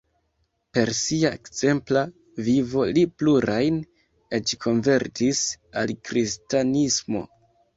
Per sia ekzempla vivo li plurajn eĉ konvertis al kristanismo.